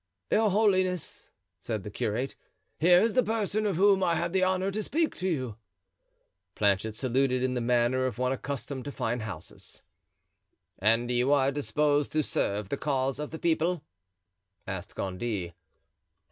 "Your holiness," said the curate, "here is the person of whom I had the honor to speak to you." Planchet saluted in the manner of one accustomed to fine houses. "And you are disposed to serve the cause of the people?" asked Gondy.